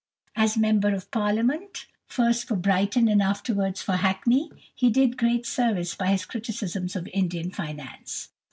As member of Parliament, first for Brighton and afterwards for Hackney, he did great service by his criticisms of Indian finance.